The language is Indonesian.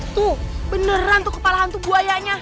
itu beneran tuh kepala hantu buayanya